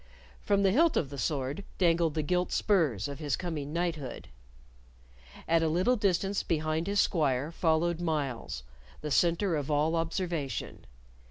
From the hilt of the sword dangled the gilt spurs of his coming knighthood. At a little distance behind his squire followed Myles, the centre of all observation.